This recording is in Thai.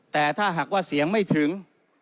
แต่ถ้าหากว่าเสียงไม่ถึง